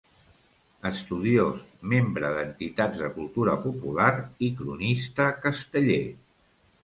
Estudiós, membre d'entitats de cultura popular i cronista casteller.